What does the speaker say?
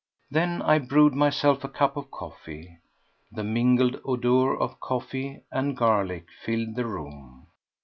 Then I brewed myself a cup of coffee. The mingled odour of coffee and garlic filled the room.